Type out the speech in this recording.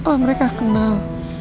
al mereka kenal